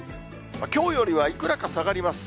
きょうよりはいくらか下がります。